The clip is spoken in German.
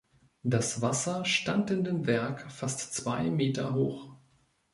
Das Wasser stand in dem Werk fast zwei Meter hoch.